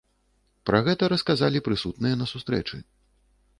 Пра гэта расказалі прысутныя на сустрэчы.